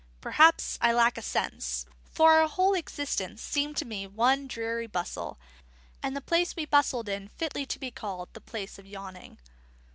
Perhaps I lack a sense; for our whole existence seemed to me one dreary bustle, and the place we bustled in fitly to be called the Place of Yawning.